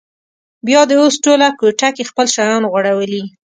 بیا دې اوس ټوله کوټه کې خپل شیان غوړولي.